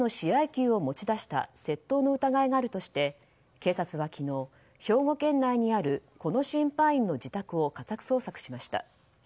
球を持ち出した窃盗の疑いがあるとして警察は昨日、兵庫県内にあるこの審判員の自宅を家宅捜索しました。